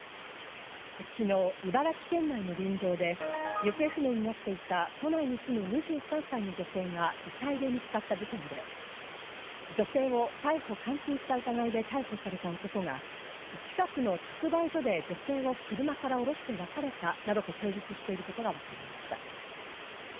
昨日、茨城県内の林道で、行方不明になっていた都内に住む２３歳の女性が遺体で見つかった事件で、女性を逮捕監禁した疑いで逮捕された男が近くの直売所で女性を車から降ろして別れたなどと供述していることがわかりました。